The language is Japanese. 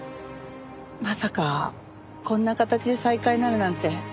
まさかこんな形で再会になるなんて夢にも。